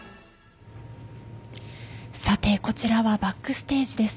さてこちらはバックステージです。